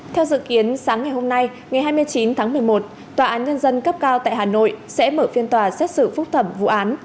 theo dự kiến sáng ngày hôm nay ngày hai mươi chín tháng một mươi một tòa án nhân dân cấp cao tại hà nội sẽ mở phiên tòa xét xử phúc thẩm vụ án